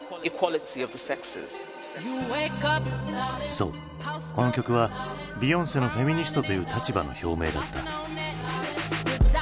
そうこの曲はビヨンセのフェミニストという立場の表明だった。